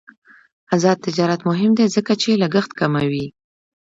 آزاد تجارت مهم دی ځکه چې لګښت کموي.